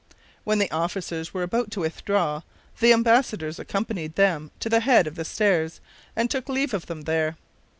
When the officers were about to withdraw, the embassadors accompanied them to the head of the stairs and took leave of them there.